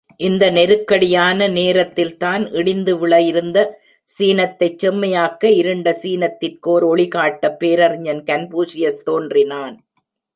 இந்த நெருக்கடியான நேரத்தில்தான் இடிந்து விழயிருந்த சீனத்தைச் செம்மையாக்க, இருண்ட சீனத்திற்கோர் ஒளி காட்ட பேரறிஞன் கன்பூஷியஸ் தோன்றினான்.